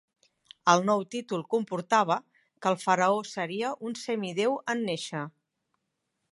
El nou títol comportava que el faraó seria un semidéu en néixer.